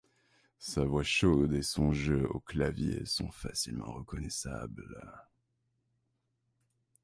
Sa voix chaude et son jeu aux claviers sont facilement reconnaissables.